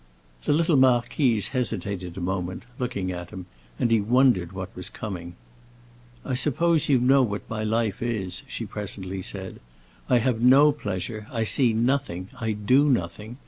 The little marquise hesitated a moment, looking at him, and he wondered what was coming. "I suppose you know what my life is," she presently said. "I have no pleasure, I see nothing, I do nothing.